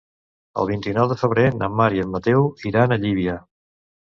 El vint-i-nou de febrer na Mar i en Mateu iran a Llívia.